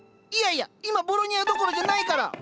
いやいや今ボロニアどころじゃないから。